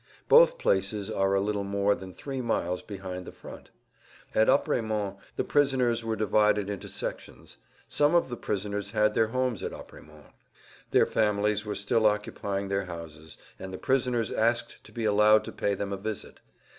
Both places are a little more than three miles behind the front. At Apremont the prisoners were divided[Pg 166] into sections. Some of the prisoners had their homes at Apremont. Their families were still occupying their houses, and the prisoners asked to be allowed to pay them a visit.